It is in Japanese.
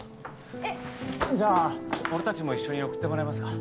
じゃあ俺たちも一緒に送ってもらえますか？